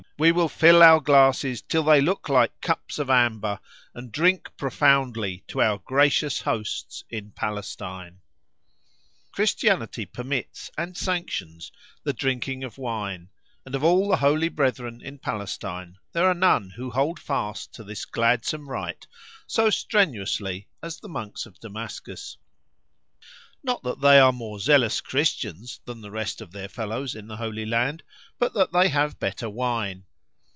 we will fill our glasses till they look like cups of amber, and drink profoundly to our gracious hosts in Palestine. Christianity permits, and sanctions, the drinking of wine, and of all the holy brethren in Palestine there are none who hold fast to this gladsome rite so strenuously as the monks of Damascus; not that they are more zealous Christians than the rest of their fellows in the Holy Land, but that they have better wine.